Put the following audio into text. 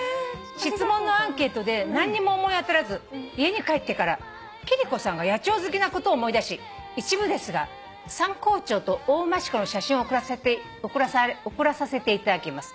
「質問のアンケートで何にも思い当たらず家に帰ってから貴理子さんが野鳥好きなことを思い出し一部ですがサンコウチョウとオオマシコの写真を送らさせていただきます」